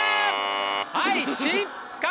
はい失格！